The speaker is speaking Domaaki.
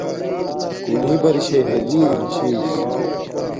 کُنِݵ بَرِشݳئی ہَگِݵ رِم چھݵس.